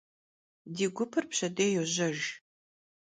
Di gupır pşedêy yojejj.